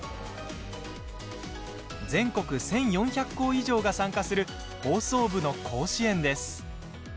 全国１４００校以上が参加する放送部の甲子園です。